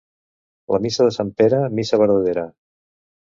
La missa de sant Pere, missa verdadera.